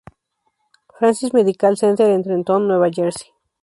Francis Medical Center en Trenton, Nueva Jersey.